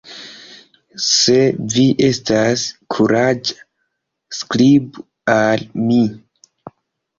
Se vi estas kuraĝa, skribu al mi!